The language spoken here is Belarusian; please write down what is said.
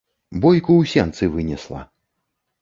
Бойку ў сенцы вынесла.